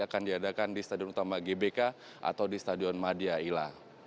akan diadakan di stadion utama gbk atau di stadion madia ila